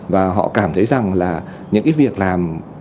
và họ cảm thấy rằng là những cái việc làm